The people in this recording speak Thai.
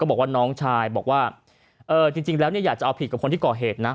บอกว่าน้องชายบอกว่าจริงแล้วเนี่ยอยากจะเอาผิดกับคนที่ก่อเหตุนะ